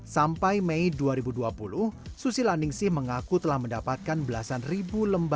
sampai mei dua ribu dua puluh susi landingsi mengaku telah mendapatkan belasan ribu lembar